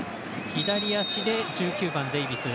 左足で１９番、デイビス。